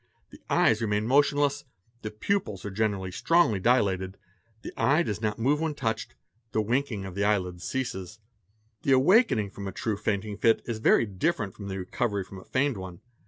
The eyes remain motionless, the pupils are generally strongly dilated, the eye does not move when touched, the winking of the eyelid ceases. : The awakening from a true fainting fit is very different. from the recovery from a feigned one.